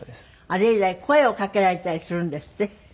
あれ以来声をかけられたりするんですって？